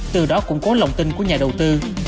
từ đó củng cố lòng tin của nhà đầu tư